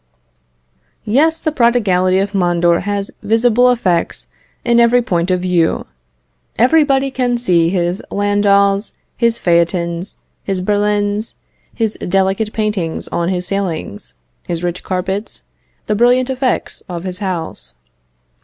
Yes, the prodigality of Mondor has visible effects in every point of view. Everybody can see his landaus, his phaetons, his berlins, the delicate paintings on his ceilings, his rich carpets, the brilliant effects of his house.